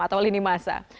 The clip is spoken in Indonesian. atau lini masa